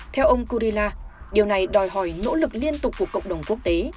theo ông kurila điều này đòi hỏi nỗ lực liên tục của cộng đồng quốc tế